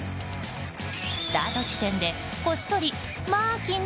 スタート地点で、こっそりまきの！